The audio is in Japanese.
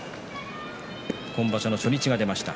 今場所の初日が出ました。